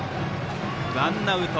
ワンアウト。